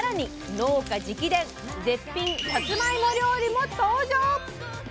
農家直伝絶品さつまいも料理も登場！